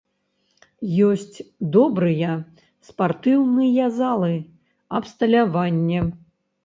Ёсць добрыя спартыўныя залы, абсталяванне.